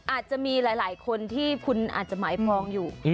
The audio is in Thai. อาจจะมีหลายคนที่คุณอาจจะหมายพองอยู่